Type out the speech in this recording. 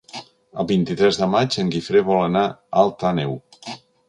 El vint-i-tres de maig en Guifré vol anar a Alt Àneu.